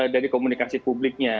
dari komunikasi publiknya